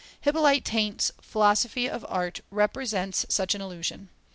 Hippolyte Taine's Philosophy of Art represents such an illusion.